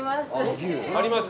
あります。